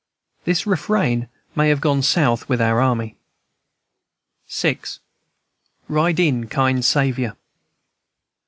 This refrain may have gone South with our army. VI. RIDE IN, KIND SAVIOUR.